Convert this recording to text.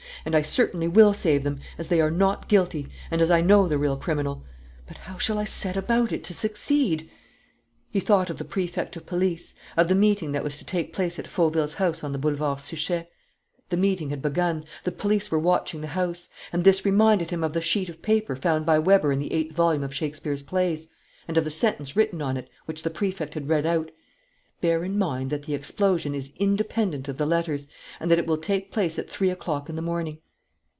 "And I certainly will save them, as they are not guilty and as I know the real criminal. But how shall I set about it to succeed?" He thought of the Prefect of Police, of the meeting that was to take place at Fauville's house on the Boulevard Suchet. The meeting had begun. The police were watching the house. And this reminded him of the sheet of paper found by Weber in the eighth volume of Shakespeare's plays, and of the sentence written on it, which the Prefect had read out: "Bear in mind that the explosion is independent of the letters, and that it will take place at three o'clock in the morning."